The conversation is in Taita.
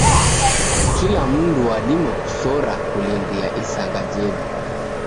Kila mndu wadima kusora kulindia isanga jedu.